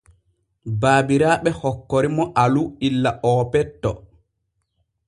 Baabiraaɓe hokkori mo Alu illa oo petto.